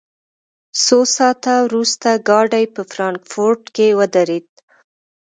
څو ساعته وروسته ګاډی په فرانکفورټ کې ودرېد